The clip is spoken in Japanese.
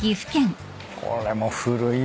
これも古い。